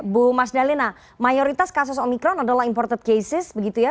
bu mas dalina mayoritas kasus omikron adalah imported cases begitu ya